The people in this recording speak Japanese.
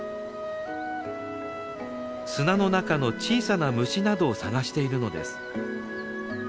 砂の中の小さな虫などを探しているのです。